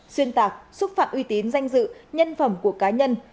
xuyên tạc xúc phạm uy tín danh dự nhân phẩm của cá nhân